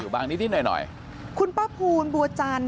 อยู่บ้างนิดนิดหน่อยหน่อยคุณป้าภูนย์บัวจันทร์